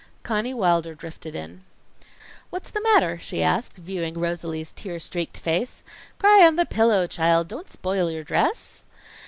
Conny Wilder drifted in. "What's the matter?" she asked, viewing Rosalie's tear streaked face. "Cry on the pillow, child. Don't spoil your dress."